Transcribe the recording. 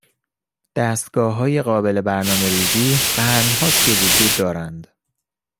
دستگاههای قابل برنامهریزی قرن هاست که وجود دارند.